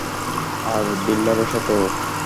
আর বিল্ডারের সাথে ও।